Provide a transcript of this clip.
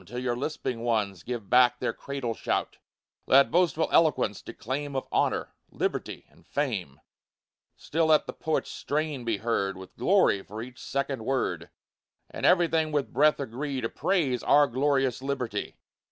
till your lisping ones Give back their cradle shout; Let boastful eloquence declaim Of honor, liberty, and fame; Still let the poet's strain be heard, With glory for each second word, And everything with breath agree To praise "our glorious liberty!"